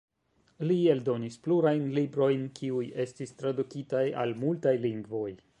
Li eldonis plurajn librojn, kiuj estis tradukitaj al multaj lingvoj.